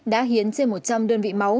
đã hiến trên một trăm linh đơn vị máu